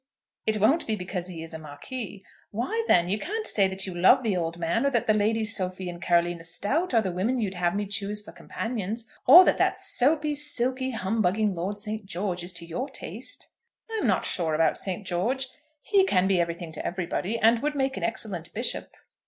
"It won't be because he is a Marquis." "Why then? You can't say that you love the old man, or that the Ladies Sophie and Carolina Stowte are the women you'd have me choose for companions, or that that soapy, silky, humbugging Lord St. George is to your taste." "I am not sure about St. George. He can be everything to everybody, and would make an excellent bishop."